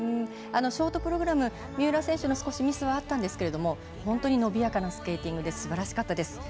ショートプログラム、三浦選手の少しミスはあったんですが本当に伸びやかなスケーティングですばらしかったです。